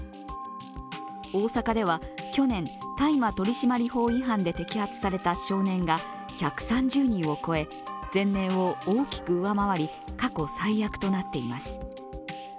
大阪では去年、大麻取締法違反で摘発された少年が１３０人を超え前年を大きく上回り、過去最悪となっています。